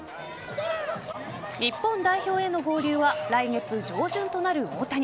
日本代表への合流は来月上旬となる大谷。